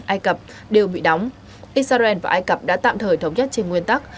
ai cập đều bị đóng israel và ai cập đã tạm thời thống nhất trên nguyên tắc